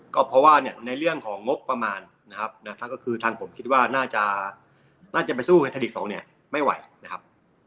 ก็เพราะว่าในเรื่องของงบประมาณนะครับก็คือทางผมคิดว่าน่าจะไปสู้ในไทยลีกสองเนี่ยไม่ไหวนะครับ